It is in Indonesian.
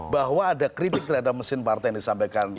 bahwa ada kritik terhadap mesin partai yang disampaikan